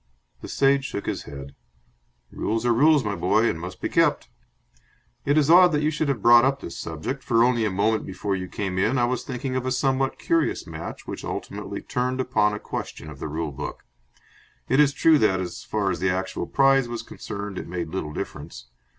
The Sage shook his head. "Rules are rules, my boy, and must be kept. It is odd that you should have brought up this subject, for only a moment before you came in I was thinking of a somewhat curious match which ultimately turned upon a question of the rule book. It is true that, as far as the actual prize was concerned, it made little difference.